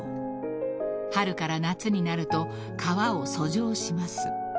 ［春から夏になると川を遡上します］